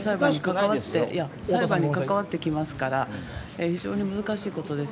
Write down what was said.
裁判に関わってきますから、非常に難しいことです。